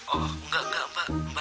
oh enggak enggak mbak